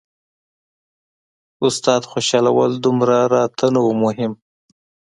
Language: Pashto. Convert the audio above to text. استاد خوشحالول دومره راته نه وو مهم.